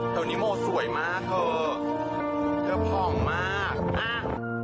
ตรงนี้โมสวยมากเหอะเหอะพร่องมากอ่า